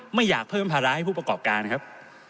ไม่อยากเพิ่มภาระให้ผู้ประกอบการครับ